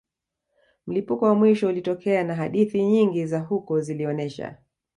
Mlipuko wa mwisho ulitokea na hadithi nyingi za huko zilionesha